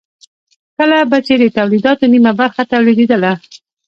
کله به چې د تولیداتو نیمه برخه تولیدېدله